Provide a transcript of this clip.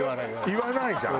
言わないじゃん？